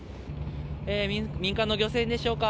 民間の漁船でしょうか。